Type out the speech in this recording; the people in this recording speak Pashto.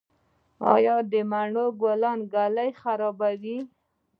آیا د مڼو ګلونه ږلۍ خرابوي؟